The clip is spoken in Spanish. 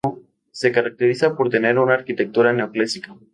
Se caracteriza por tener una arquitectura neoclásica.